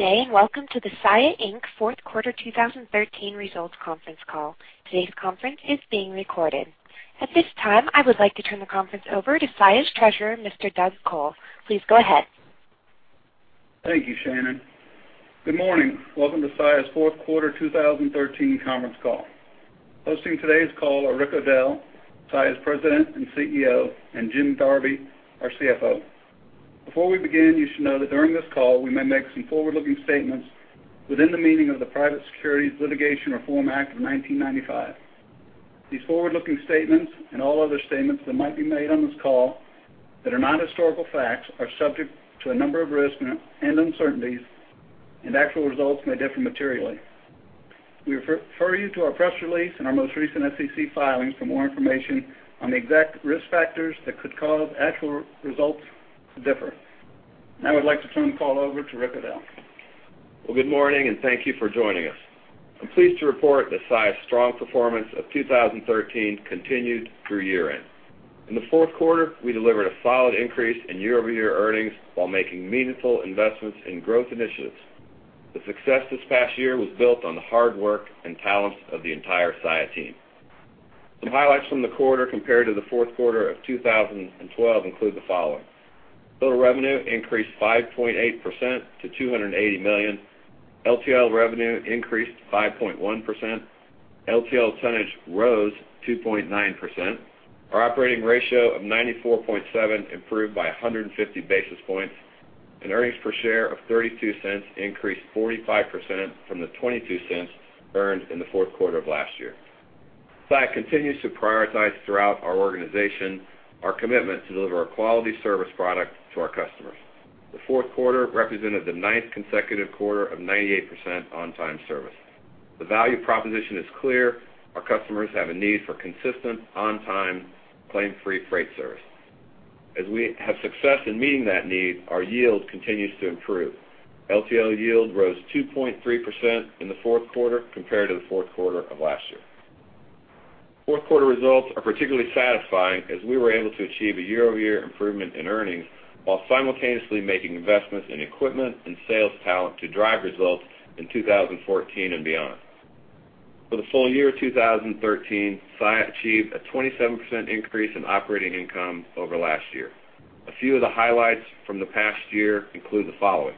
Good day, and welcome to the Saia, Inc. Fourth Quarter 2013 Results Conference Call. Today's conference is being recorded. At this time, I would like to turn the conference over to Saia's Treasurer, Mr. Doug Col. Please go ahead. Thank you, Shannon. Good morning. Welcome to Saia's Fourth Quarter 2013 Conference Call. Hosting today's call are Rick O'Dell, Saia's President and CEO, and Jim Darby, our CFO. Before we begin, you should know that during this call, we may make some forward-looking statements within the meaning of the Private Securities Litigation Reform Act of 1995. These forward-looking statements, and all other statements that might be made on this call that are not historical facts, are subject to a number of risks and uncertainties, and actual results may differ materially. We refer you to our press release and our most recent SEC filings for more information on the exact risk factors that could cause actual results to differ. Now I'd like to turn the call over to Rick O'Dell. Well, good morning, and thank you for joining us. I'm pleased to report that Saia's strong performance of 2013 continued through year-end. In the fourth quarter, we delivered a solid increase in year-over-year earnings while making meaningful investments in growth initiatives. The success this past year was built on the hard work and talents of the entire Saia team. Some highlights from the quarter compared to the fourth quarter of 2012 include the following: total revenue increased 5.8% to $280 million, LTL revenue increased 5.1%, LTL tonnage rose 2.9%, our operating ratio of 94.7 improved by 150 basis points, and earnings per share of $0.32 increased 45% from the $0.22 earned in the fourth quarter of last year. Saia continues to prioritize throughout our organization our commitment to deliver a quality service product to our customers. The fourth quarter represented the ninth consecutive quarter of 98% on-time service. The value proposition is clear. Our customers have a need for consistent, on-time, claim-free freight service. As we have success in meeting that need, our yield continues to improve. LTL yield rose 2.3% in the fourth quarter compared to the fourth quarter of last year. Fourth quarter results are particularly satisfying as we were able to achieve a year-over-year improvement in earnings while simultaneously making investments in equipment and sales talent to drive results in 2014 and beyond. For the full year of 2013, Saia achieved a 27% increase in operating income over last year. A few of the highlights from the past year include the following: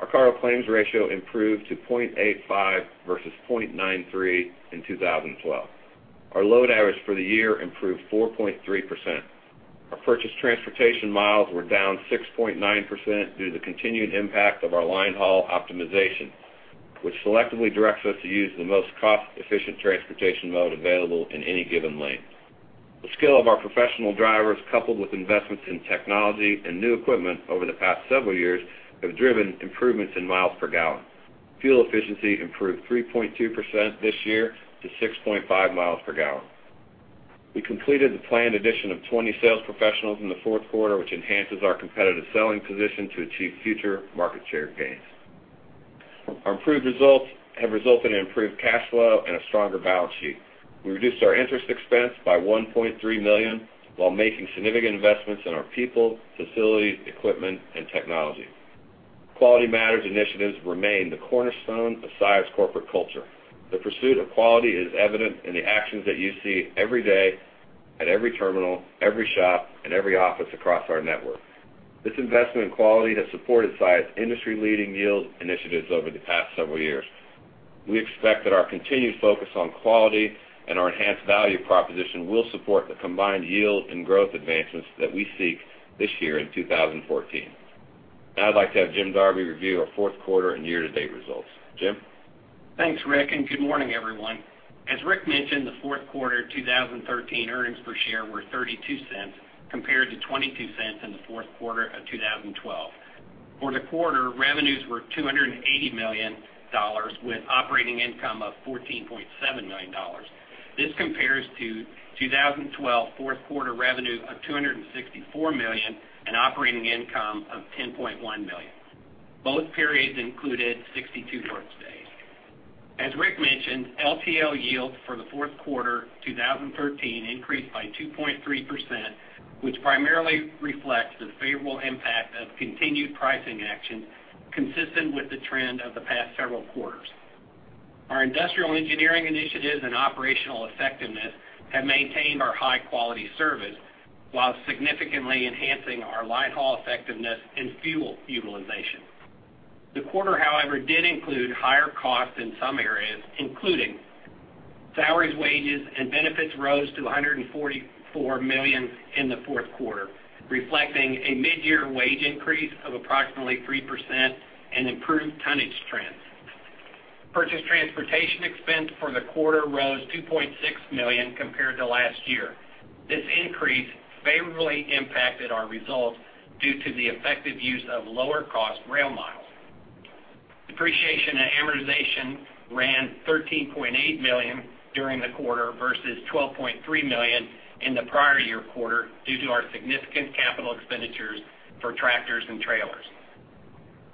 Our cargo claims ratio improved to 0.85 versus 0.93 in 2012. Our load hours for the year improved 4.3%. Our purchased transportation miles were down 6.9% due to the continued impact of our line haul optimization, which selectively directs us to use the most cost-efficient transportation mode available in any given lane. The skill of our professional drivers, coupled with investments in technology and new equipment over the past several years, have driven improvements in miles per gallon. Fuel efficiency improved 3.2% this year to 6.5 miles per gallon. We completed the planned addition of 20 sales professionals in the fourth quarter, which enhances our competitive selling position to achieve future market share gains. Our improved results have resulted in improved cash flow and a stronger balance sheet. We reduced our interest expense by $1.3 million, while making significant investments in our people, facilities, equipment, and technology. Quality Matters initiatives remain the cornerstone of Saia's corporate culture. The pursuit of quality is evident in the actions that you see every day at every terminal, every shop, and every office across our network. This investment in quality has supported Saia's industry-leading yield initiatives over the past several years. We expect that our continued focus on quality and our enhanced value proposition will support the combined yield and growth advancements that we seek this year in 2014. Now I'd like to have Jim Darby review our fourth quarter and year-to-date results. Jim? Thanks, Rick, and good morning, everyone. As Rick mentioned, the fourth quarter 2013 earnings per share were $0.32, compared to $0.22 in the fourth quarter of 2012. For the quarter, revenues were $280 million, with operating income of $14.7 million. This compares to 2012 fourth quarter revenue of $264 million and operating income of $10.1 million. Both periods included 62 work days. As Rick mentioned, LTL yields for the fourth quarter 2013 increased by 2.3%, which primarily reflects the favorable impact of continued pricing actions consistent with the trend of the past several quarters. Our industrial engineering initiatives and operational effectiveness have maintained our high-quality service while significantly enhancing our line haul effectiveness and fuel utilization. The quarter, however, did include higher costs in some areas, including salaries, wages, and benefits rose to $144 million in the fourth quarter, reflecting a mid-year wage increase of approximately 3% and improved tonnage trends. Purchased transportation expense for the quarter rose $2.6 million compared to last year. This increase favorably impacted our results due to the effective use of lower-cost rail miles. Depreciation and amortization ran $13.8 million during the quarter versus $12.3 million in the prior year quarter, due to our significant capital expenditures for tractors and trailers.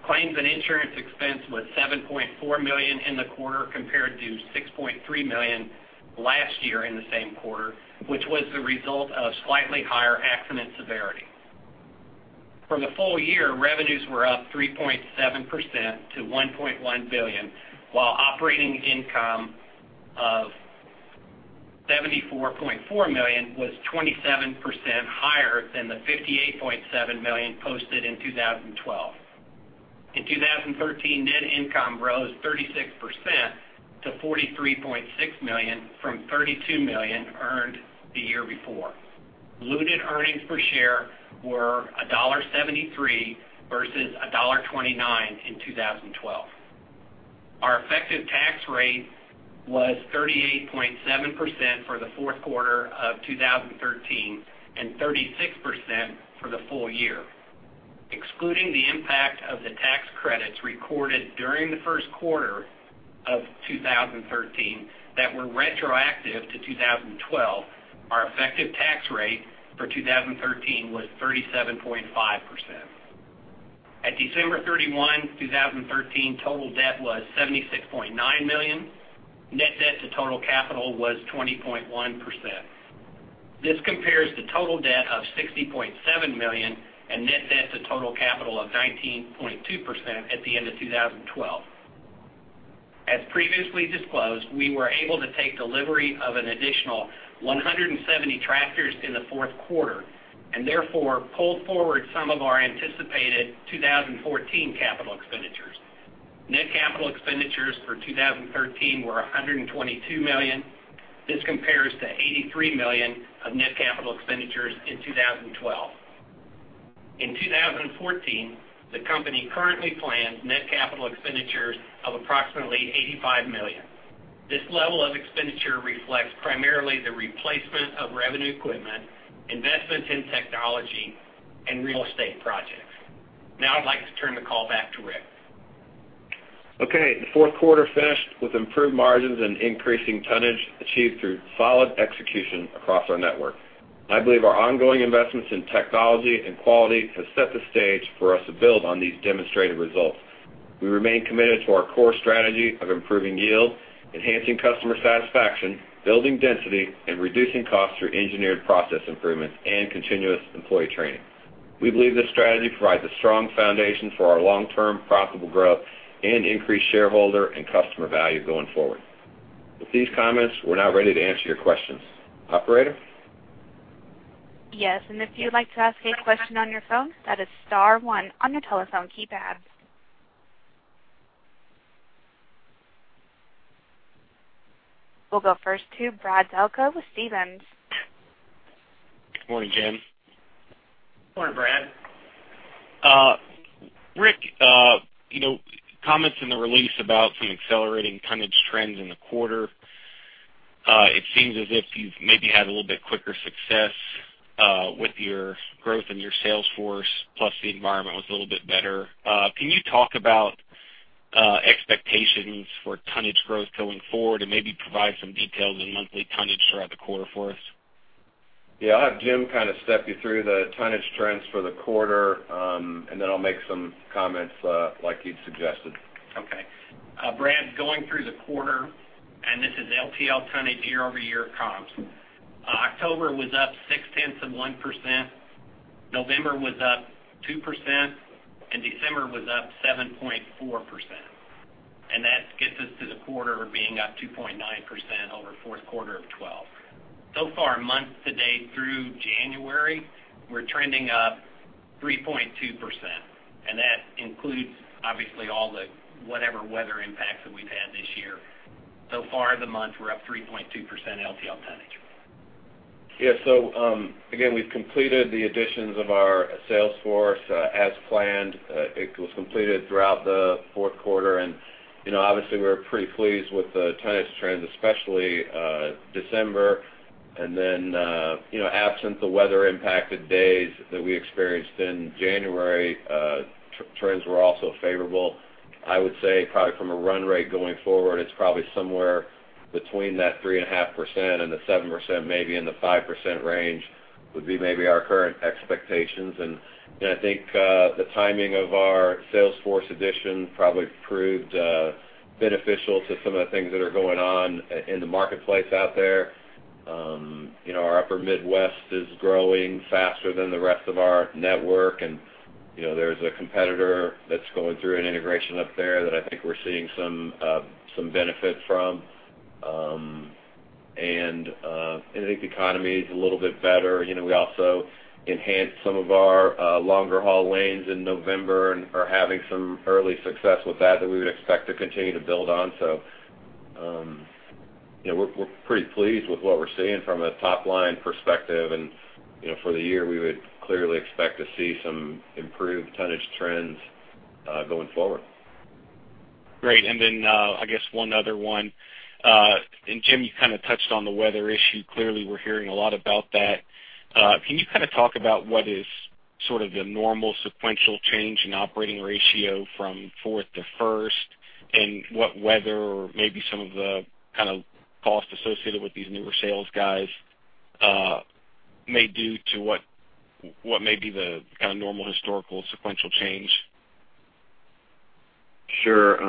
Claims and insurance expense was $7.4 million in the quarter, compared to $6.3 million last year in the same quarter, which was the result of slightly higher accident severity. For the full year, revenues were up 3.7% to $1.1 billion, while operating income of $74.4 million was 27% higher than the $58.7 million posted in 2012. In 2013, net income rose 36% to $43.6 million from $32 million earned the year before. Diluted earnings per share were $1.73 versus $1.29 in 2012. Our effective tax rate was 38.7% for the fourth quarter of 2013, and 36% for the full year. Excluding the impact of the tax credits recorded during the first quarter of 2013 that were retroactive to 2012, our effective tax rate for 2013 was 37.5%. At December 31, 2013, total debt was $76.9 million. Net debt to total capital was 20.1%. This compares to total debt of $60.7 million and net debt to total capital of 19.2% at the end of 2012. As previously disclosed, we were able to take delivery of an additional 170 tractors in the fourth quarter and therefore pulled forward some of our anticipated 2014 capital expenditures. Net capital expenditures for 2013 were $122 million. This compares to $83 million of net capital expenditures in 2012. In 2014, the company currently plans net capital expenditures of approximately $85 million. This level of expenditure reflects primarily the replacement of revenue equipment, investments in technology, and real estate projects. Now I'd like to turn the call back to Rick. Okay, the fourth quarter finished with improved margins and increasing tonnage achieved through solid execution across our network. I believe our ongoing investments in technology and quality have set the stage for us to build on these demonstrated results. We remain committed to our core strategy of improving yield, enhancing customer satisfaction, building density, and reducing costs through engineered process improvements and continuous employee training. We believe this strategy provides a strong foundation for our long-term profitable growth and increased shareholder and customer value going forward. With these comments, we're now ready to answer your questions. Operator? Yes, and if you'd like to ask a question on your phone, that is star one on your telephone keypad. We'll go first to Brad Delco with Stephens. Good morning, Jim. Good morning, Brad. Rick, you know, comments in the release about the accelerating tonnage trends in the quarter. It seems as if you've maybe had a little bit quicker success with your growth in your sales force, plus the environment was a little bit better. Can you talk about expectations for tonnage growth going forward and maybe provide some details on monthly tonnage throughout the quarter for us? Yeah, I'll have Jim kind of step you through the tonnage trends for the quarter, and then I'll make some comments, like you'd suggested. Okay. Brad, going through the quarter, and this is LTL tonnage year-over-year comps. October was up 0.6%, November was up 2%, and December was up 7.4%. And that gets us to the quarter being up 2.9% over fourth quarter of 2012. So far, month to date through January, we're trending up 3.2%, and that includes, obviously, all the whatever weather impacts that we've had this year. So far, the month, we're up 3.2% LTL tonnage. Yeah, so, again, we've completed the additions of our sales force, as planned. It was completed throughout the fourth quarter, and, you know, obviously, we're pretty pleased with the tonnage trends, especially, December. And then, you know, absent the weather-impacted days that we experienced in January, trends were also favorable. I would say probably from a run rate going forward, it's probably somewhere between that 3.5% and the 7%, maybe in the 5% range would be maybe our current expectations. And, you know, I think, the timing of our sales force addition probably proved, beneficial to some of the things that are going on in the marketplace out there. You know, our Upper Midwest is growing faster than the rest of our network, and, you know, there's a competitor that's going through an integration up there that I think we're seeing some benefit from. And I think the economy is a little bit better. You know, we also enhanced some of our longer haul lanes in November and are having some early success with that that we would expect to continue to build on. So, you know, we're pretty pleased with what we're seeing from a top-line perspective. And, you know, for the year, we would clearly expect to see some improved tonnage trends going forward. Great. Then, I guess one other one. Jim, you kind of touched on the weather issue. Clearly, we're hearing a lot about that. Can you kind of talk about what is sort of the normal sequential change in operating ratio from fourth to first, and what weather or maybe some of the kind of costs associated with these newer sales guys may do to what, what may be the kind of normal historical sequential change?... Sure.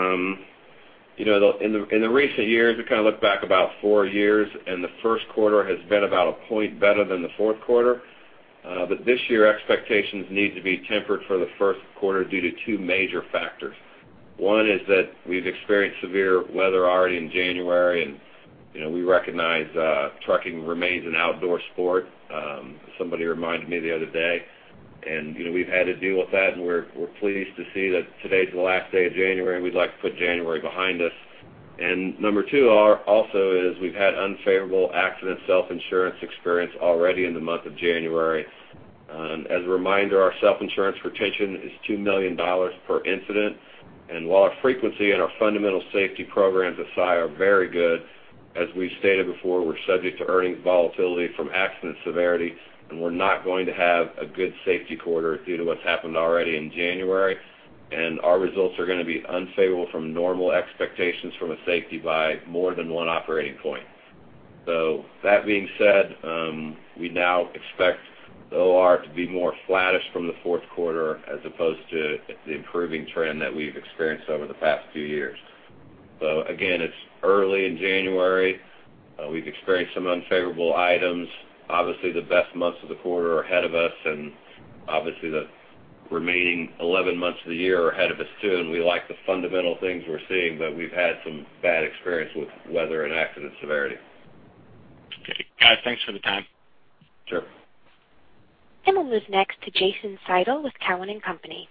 You know, in recent years, we kind of looked back about four years, and the first quarter has been about a point better than the fourth quarter. But this year, expectations need to be tempered for the first quarter due to two major factors. One is that we've experienced severe weather already in January, and, you know, we recognize, trucking remains an outdoor sport. Somebody reminded me the other day, and, you know, we've had to deal with that, and we're pleased to see that today is the last day of January, and we'd like to put January behind us. Number two also is we've had unfavorable accident self-insurance experience already in the month of January. As a reminder, our self-insurance retention is $2 million per incident, and while our frequency and our fundamental safety programs at Saia are very good, as we've stated before, we're subject to earnings volatility from accident severity, and we're not going to have a good safety quarter due to what's happened already in January. Our results are going to be unfavorable from normal expectations from a safety by more than one operating point. So that being said, we now expect OR to be more flattish from the fourth quarter as opposed to the improving trend that we've experienced over the past few years. So again, it's early in January. We've experienced some unfavorable items. Obviously, the best months of the quarter are ahead of us, and obviously, the remaining 11 months of the year are ahead of us, too. We like the fundamental things we're seeing, but we've had some bad experience with weather and accident severity. Okay, guys, thanks for the time. Sure. We'll move next to Jason Seidl with Cowen and Company.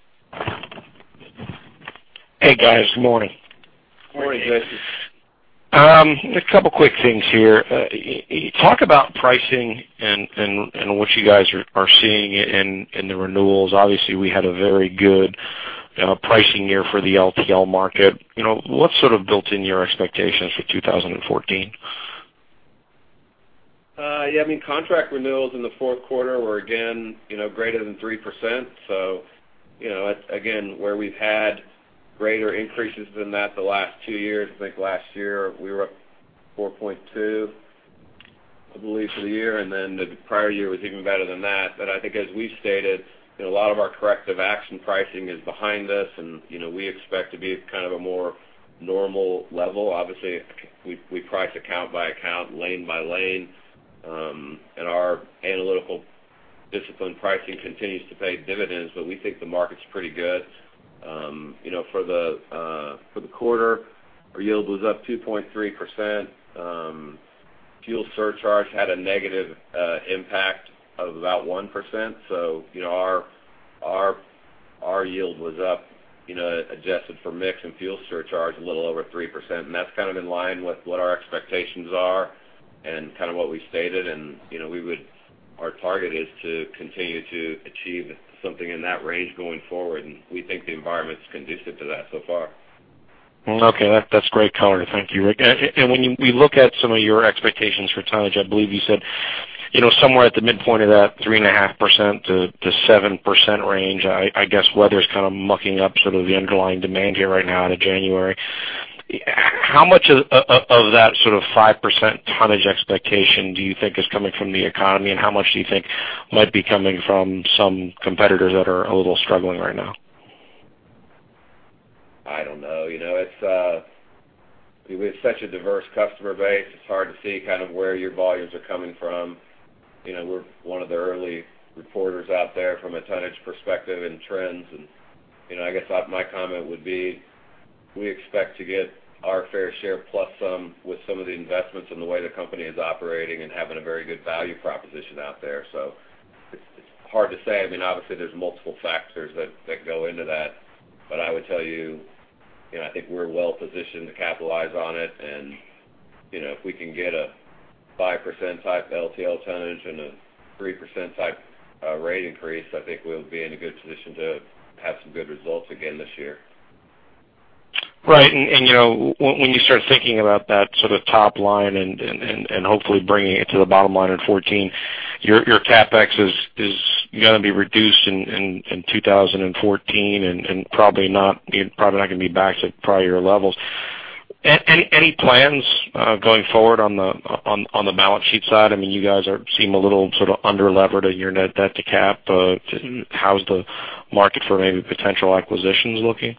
Hey, guys. Good morning. Good morning, Jason. A couple quick things here. Talk about pricing and what you guys are seeing in the renewals. Obviously, we had a very good pricing year for the LTL market. You know, what sort of built in your expectations for 2014? Yeah, I mean, contract renewals in the fourth quarter were, again, you know, greater than 3%. So, you know, again, where we've had greater increases than that the last two years, I think last year, we were up 4.2, I believe, for the year, and then the prior year was even better than that. But I think as we stated, a lot of our corrective action pricing is behind us, and, you know, we expect to be kind of a more normal level. Obviously, we, we price account by account, lane by lane, and our analytical discipline pricing continues to pay dividends, but we think the market's pretty good. You know, for the, for the quarter, our yield was up 2.3%. Fuel surcharge had a negative, impact of about 1%. So, you know, our yield was up, you know, adjusted for mix and fuel surcharge, a little over 3%, and that's kind of in line with what our expectations are and kind of what we stated. And, you know, we would... Our target is to continue to achieve something in that range going forward, and we think the environment is conducive to that so far. Okay, that's great color. Thank you. And when we look at some of your expectations for tonnage, I believe you said, you know, somewhere at the midpoint of that 3.5%-7% range, I guess, weather is kind of mucking up sort of the underlying demand here right now out of January. How much of that sort of 5% tonnage expectation do you think is coming from the economy, and how much do you think might be coming from some competitors that are a little struggling right now? I don't know. You know, it's, we have such a diverse customer base, it's hard to see kind of where your volumes are coming from. You know, we're one of the early reporters out there from a tonnage perspective and trends. You know, I guess, my comment would be, we expect to get our fair share plus some, with some of the investments in the way the company is operating and having a very good value proposition out there. So it's hard to say. I mean, obviously, there's multiple factors that go into that, but I would tell you, you know, I think we're well positioned to capitalize on it. You know, if we can get a 5% type LTL tonnage and a 3% type rate increase, I think we'll be in a good position to have some good results again this year. Right. And, you know, when you start thinking about that sort of top line and hopefully bringing it to the bottom line in 2014, your CapEx is going to be reduced in 2014 and probably not going to be back to prior levels. Any plans going forward on the balance sheet side? I mean, you guys seem a little sort of underlevered in your net debt to cap. How's the market for maybe potential acquisitions looking?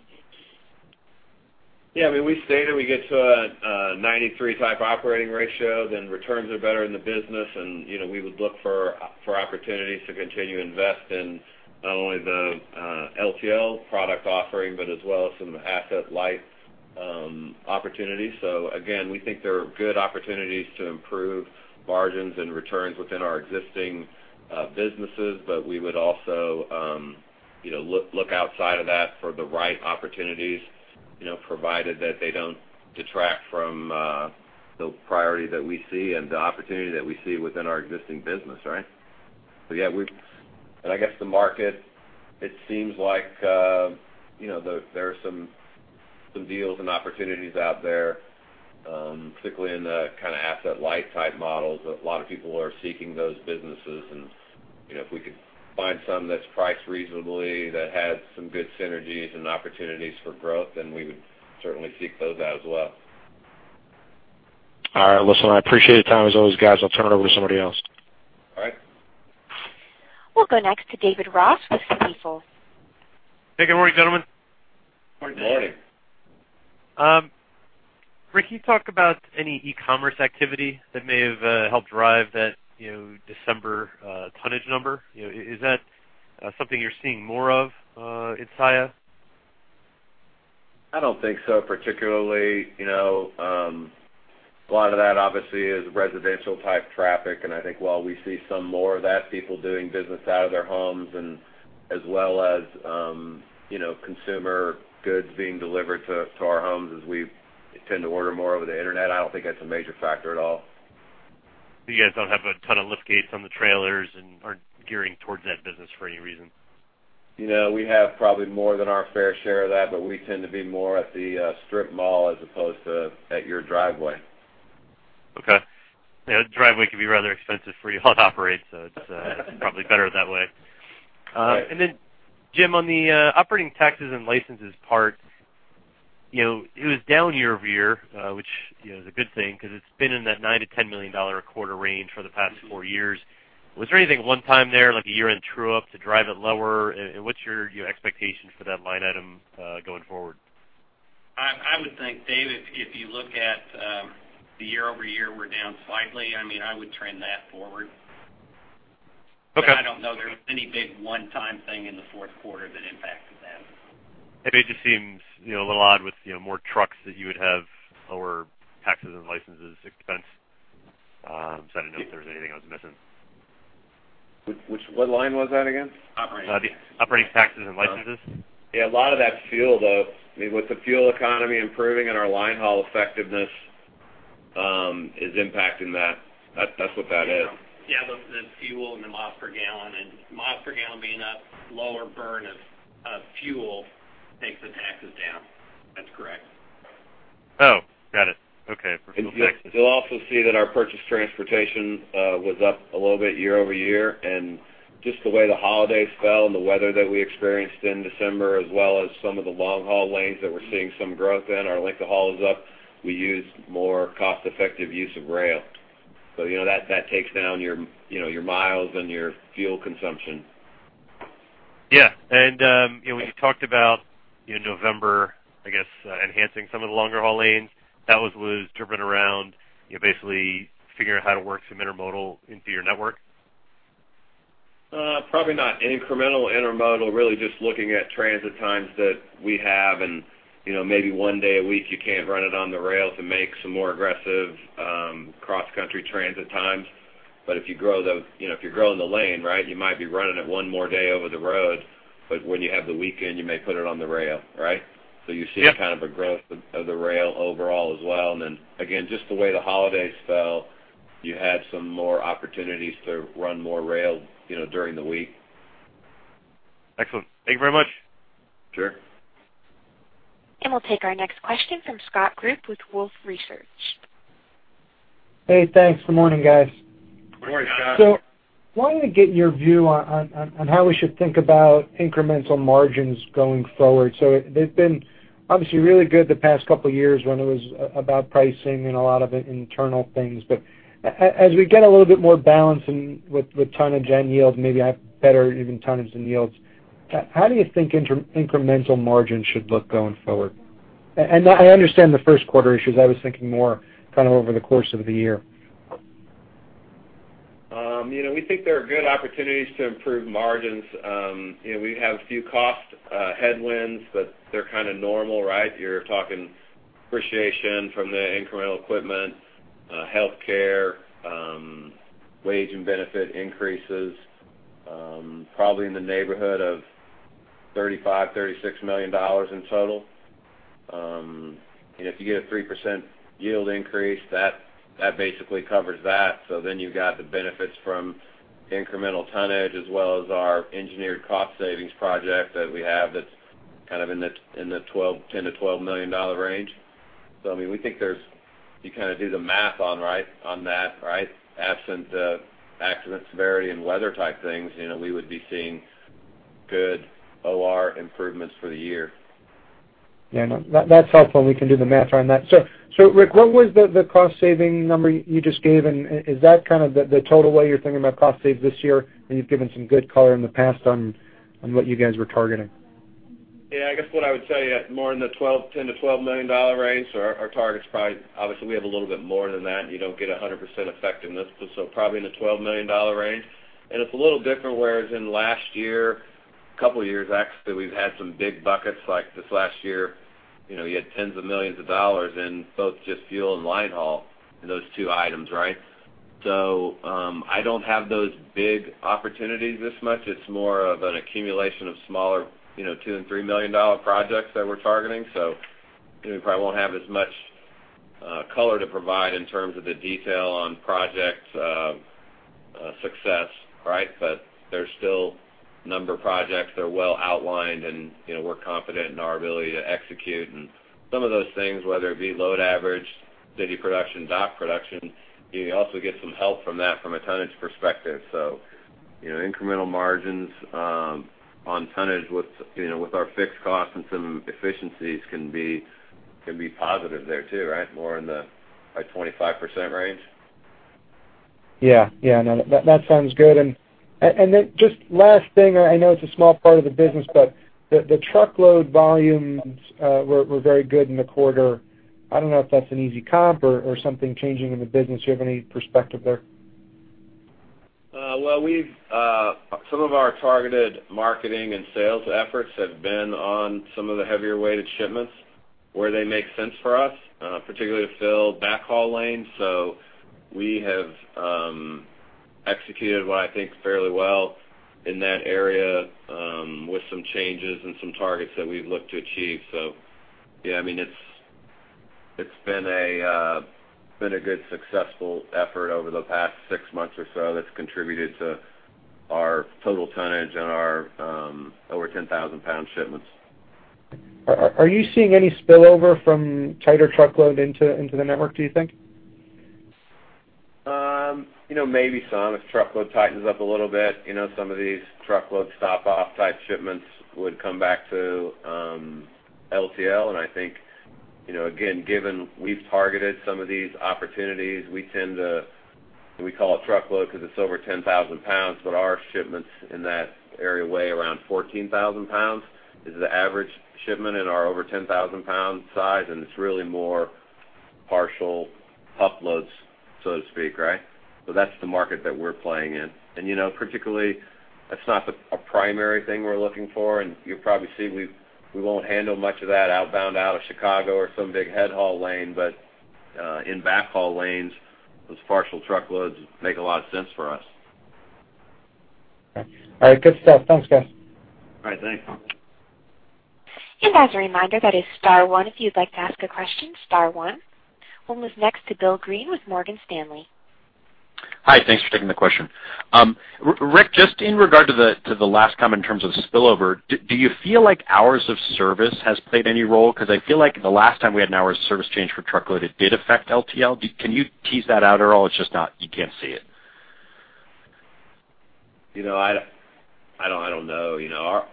Yeah, I mean, we stated we get to a 93-type operating ratio, then returns are better in the business, and, you know, we would look for opportunities to continue to invest in not only the LTL product offering, but as well as some asset-light opportunities. So again, we think there are good opportunities to improve margins and returns within our existing businesses, but we would also, you know, look outside of that for the right opportunities, you know, provided that they don't detract from the priority that we see and the opportunity that we see within our existing business, right? But yeah, and I guess the market, it seems like, you know, there are some deals and opportunities out there, particularly in the kind of asset light type models, but a lot of people are seeking those businesses. And, you know, if we could find some that's priced reasonably, that has some good synergies and opportunities for growth, then we would certainly seek those out as well. All right. Listen, I appreciate the time as always, guys. I'll turn it over to somebody else. We'll go next to David Ross with Stifel. Hey, good morning, gentlemen. Good morning. Rick, can you talk about any e-commerce activity that may have helped drive that, you know, December tonnage number? You know, is that something you're seeing more of at Saia? I don't think so, particularly. You know, a lot of that obviously is residential-type traffic, and I think while we see some more of that, people doing business out of their homes and as well as, you know, consumer goods being delivered to, to our homes as we tend to order more over the internet, I don't think that's a major factor at all. You guys don't have a ton of liftgates on the trailers and aren't gearing towards that business for any reason? You know, we have probably more than our fair share of that, but we tend to be more at the strip mall as opposed to at your driveway. Okay. Yeah, the driveway can be rather expensive for you all to operate, so it's probably better that way. Right. And then, Jim, on the operating taxes and licenses part, you know, it was down year-over-year, which, you know, is a good thing because it's been in that $9 million-$10 million a quarter range for the past four years. Was there anything one-time there, like a year-end true-up, to drive it lower, and what's your expectation for that line item going forward? I would think, David, if you look at the year-over-year, we're down slightly. I mean, I would trend that forward. Okay. I don't know there's any big one-time thing in the fourth quarter that impacted that. It just seems, you know, a little odd with, you know, more trucks that you would have lower taxes and licenses expense. So I didn't know if there was anything I was missing. What line was that again? Operating. The operating taxes and licenses. Yeah, a lot of that's fuel, though. I mean, with the fuel economy improving and our line haul effectiveness is impacting that. That's what that is. Yeah, the fuel and the miles per gallon, and miles per gallon being a lower burn of fuel takes the taxes down. That's correct. Oh, got it. Okay. You'll also see that our purchased transportation was up a little bit year-over-year, and just the way the holidays fell and the weather that we experienced in December, as well as some of the long-haul lanes that we're seeing some growth in, our length of haul is up. We used more cost-effective use of rail. So, you know, that, that takes down your, you know, your miles and your fuel consumption. Yeah. And, you know, when you talked about, you know, November, I guess, enhancing some of the longer haul lanes, that was driven around, you know, basically figuring out how to work some intermodal into your network? Probably not incremental intermodal, really just looking at transit times that we have and, you know, maybe one day a week, you can't run it on the rail to make some more aggressive, cross-country transit times. But if you grow the, you know, if you're growing the lane, right, you might be running it one more day over the road, but when you have the weekend, you may put it on the rail, right? Yep. So you see kind of a growth of the rail overall as well. And then again, just the way the holidays fell, you had some more opportunities to run more rail, you know, during the week. Excellent. Thank you very much. Sure. We'll take our next question from Scott Group with Wolfe Research. Hey, thanks. Good morning, guys. Good morning, Scott. So wanted to get your view on how we should think about incremental margins going forward. So they've been obviously really good the past couple of years when it was about pricing and a lot of it internal things. But as we get a little bit more balance in with tonnage and yield, maybe have better even tonnages and yields, how do you think incremental margins should look going forward? And I understand the first quarter issues. I was thinking more kind of over the course of the year. You know, we think there are good opportunities to improve margins. You know, we have a few cost headwinds, but they're kind of normal, right? You're talking depreciation from the incremental equipment, healthcare, wage and benefit increases, probably in the neighborhood of $35-$36 million in total. And if you get a 3% yield increase, that basically covers that. So then you've got the benefits from incremental tonnage, as well as our engineered cost savings project that we have that's kind of in the $10-$12 million range. So I mean, we think there's... You kind of do the math on that, right? Absent accident severity and weather type things, you know, we would be seeing good OR improvements for the year. Yeah, no, that's helpful, and we can do the math on that. So, Rick, what was the cost-saving number you just gave, and is that kind of the total way you're thinking about cost saves this year? And you've given some good color in the past on what you guys were targeting. Yeah, I guess what I would tell you, more in the $10-$12 million range. So our, our target's probably, obviously, we have a little bit more than that. You don't get 100% effectiveness, but so probably in the $12 million range. And it's a little different, whereas in last year, a couple of years, actually, we've had some big buckets, like this last year, you know, you had $10s of millions in both just fuel and line haul and those two items, right? So, I don't have those big opportunities this much. It's more of an accumulation of smaller, you know, 2- and 3-million-dollar projects that we're targeting. So, you know, we probably won't have as much color to provide in terms of the detail on project success, right? There's still a number of projects that are well outlined and, you know, we're confident in our ability to execute. Some of those things, whether it be load average, city production, dock production, you also get some help from that from a tonnage perspective. You know, incremental margins on tonnage with, you know, with our fixed costs and some efficiencies can be, can be positive there, too, right? More in the 25% range? Yeah. Yeah, no, that sounds good. And then just last thing, I know it's a small part of the business, but the truckload volumes were very good in the quarter. I don't know if that's an easy comp or something changing in the business. Do you have any perspective there? Well, we've some of our targeted marketing and sales efforts have been on some of the heavier-weighted shipments where they make sense for us, particularly to fill backhaul lanes. So we have executed what I think fairly well in that area, with some changes and some targets that we've looked to achieve. So yeah, I mean, it's been a good, successful effort over the past six months or so that's contributed to our total tonnage and our over 10,000-pound shipments. Are you seeing any spillover from tighter truckload into the network, do you think? You know, maybe some. If truckload tightens up a little bit, you know, some of these truckload stop-off type shipments would come back to, LTL. And I think, you know, again, given we've targeted some of these opportunities, we tend to -- we call it truckload because it's over 10,000 pounds, but our shipments in that area weigh around 14,000 pounds, is the average shipment in our over 10,000 pound size, and it's really more partial uploads, so to speak, right? So that's the market that we're playing in. And, you know, particularly, that's not the, a primary thing we're looking for. And you'll probably see, we've, we won't handle much of that outbound out of Chicago or some big head haul lane. But, in backhaul lanes, those partial truckloads make a lot of sense for us. Okay. All right, good stuff. Thanks, guys. All right, thanks, Scott. As a reminder, that is star one. If you'd like to ask a question, star one. We'll move next to Bill Greene with Morgan Stanley. Hi. Thanks for taking the question. Rick, just in regard to the last comment in terms of spillover, do you feel like hours of service has played any role? Because I feel like the last time we had an hour of service change for truckload, it did affect LTL. Can you tease that out at all? It's just not. You can't see it. You know, I don't know. You know,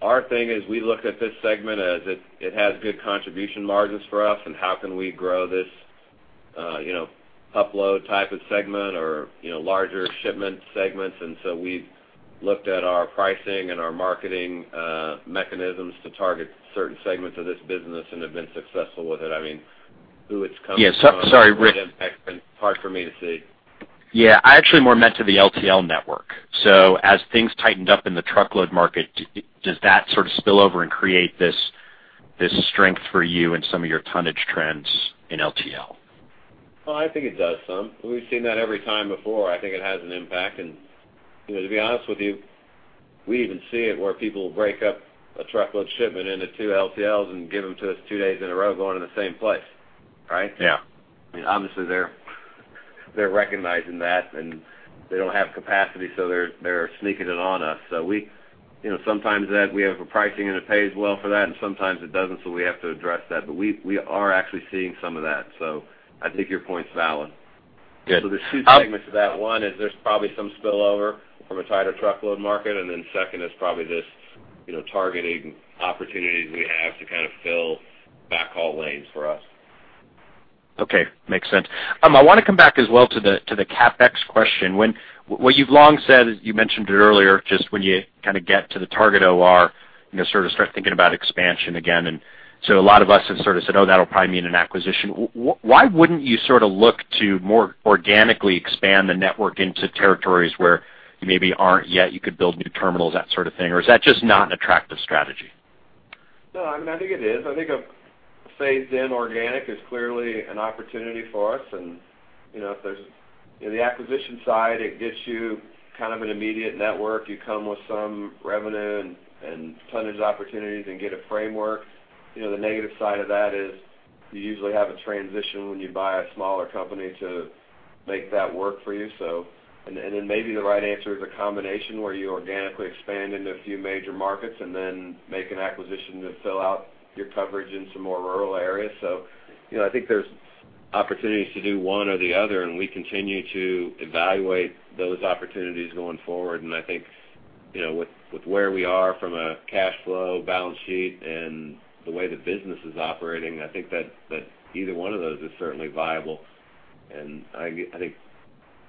our thing is we look at this segment as it has good contribution margins for us, and how can we grow this, you know, upload type of segment or, you know, larger shipment segments? And so we've looked at our pricing and our marketing mechanisms to target certain segments of this business and have been successful with it. I mean, who it's coming from- Yeah, sorry, Rick. Impact, and hard for me to see. Yeah, I actually meant more to the LTL network. So as things tightened up in the truckload market, does that sort of spill over and create this, this strength for you in some of your tonnage trends in LTL? Well, I think it does some. We've seen that every time before. I think it has an impact. You know, to be honest with you, we even see it where people break up a truckload shipment into two LTLs and give them to us two days in a row, going to the same place, right? Yeah. I mean, obviously, they're recognizing that, and they don't have capacity, so they're sneaking it on us. So we, you know, sometimes that we have a pricing, and it pays well for that, and sometimes it doesn't, so we have to address that. But we are actually seeing some of that, so I think your point's valid. Good. So there's two segments to that. One is there's probably some spillover from a tighter truckload market, and then second is probably this, you know, targeting opportunities we have to kind of fill backhaul lanes for us. Okay. Makes sense. I want to come back as well to the, to the CapEx question. When, what you've long said, as you mentioned it earlier, just when you kind of get to the target OR, you know, sort of start thinking about expansion again. And so a lot of us have sort of said, "Oh, that'll probably mean an acquisition." Why wouldn't you sort of look to more organically expand the network into territories where you maybe aren't yet, you could build new terminals, that sort of thing? Or is that just not an attractive strategy? No, I mean, I think it is. I think a phased in organic is clearly an opportunity for us. And, you know, if there's... In the acquisition side, it gets you kind of an immediate network. You come with some revenue and, and tonnage opportunities and get a framework. You know, the negative side of that is you usually have a transition when you buy a smaller company to make that work for you. So and then, and then maybe the right answer is a combination, where you organically expand into a few major markets and then make an acquisition to fill out your coverage in some more rural areas. So, you know, I think there's opportunities to do one or the other, and we continue to evaluate those opportunities going forward. I think, you know, with where we are from a cash flow balance sheet and the way the business is operating, I think that either one of those is certainly viable. I think,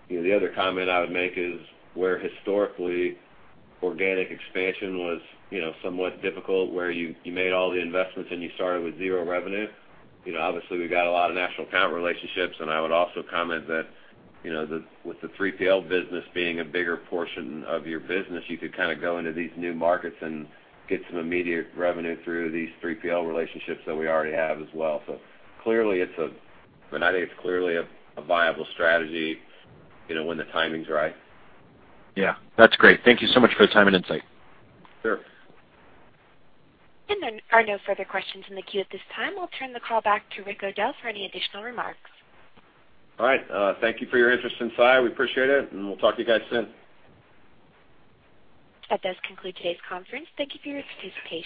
you know, the other comment I would make is, where historically organic expansion was, you know, somewhat difficult, where you made all the investments and you started with zero revenue, you know, obviously, we got a lot of national account relationships. And I would also comment that, you know, the with the 3PL business being a bigger portion of your business, you could kind of go into these new markets and get some immediate revenue through these 3PL relationships that we already have as well. So clearly, it's a... But I think it's clearly a viable strategy, you know, when the timing's right. Yeah. That's great. Thank you so much for the time and insight. Sure. There are no further questions in the queue at this time. I'll turn the call back to Rick O'Dell for any additional remarks. All right. Thank you for your interest in Saia. We appreciate it, and we'll talk to you guys soon. That does conclude today's conference. Thank you for your participation.